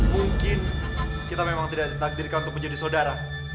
mungkin kita memang tidak ditakdirkan untuk menjadi saudara